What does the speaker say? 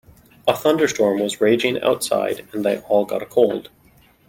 A thunderstorm was raging outside and they all got a cold.